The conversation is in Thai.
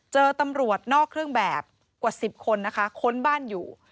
เจอตำรวจนอกเครื่องแบบกว่า๑๐คนนะคะค้นบ้านอยู่